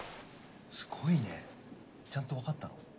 すごいね。ちゃんとわかったの？